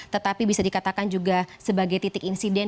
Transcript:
tetapi bisa dikatakan juga sebagai titik insiden